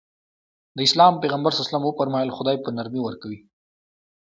د اسلام پيغمبر ص وفرمايل خدای په نرمي ورکوي.